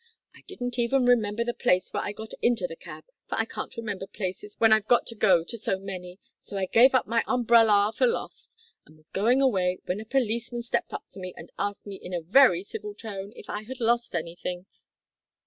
I didn't even remember the place where I got into the cab, for I can't remember places when I've to go to so many, so I gave up my umbrellar for lost and was going away, when a policeman stepped up to me and asked in a very civil tone if I had lost anything.